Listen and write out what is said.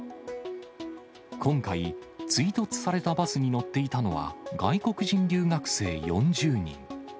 今回、追突されたバスに乗っていたのは、外国人留学生４０人。